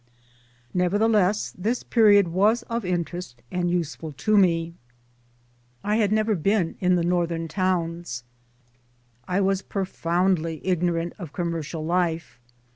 Nevertheless this period was of interest and useful to me. I hadi never been in 79 8o MY DAYS AND DREAMS Northern Towns. I was profoundly ignorant of com mercial life.